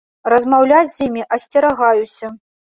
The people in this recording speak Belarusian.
Размаўляць з імі асцерагаюся.